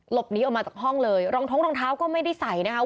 หนีออกมาจากห้องเลยรองท้องรองเท้าก็ไม่ได้ใส่นะคะ